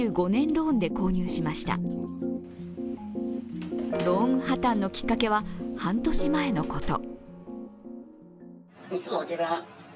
ローン破綻のきっかけは半年前のこと。